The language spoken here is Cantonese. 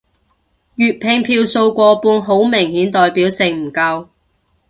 粵拼票數過半好明顯代表性唔夠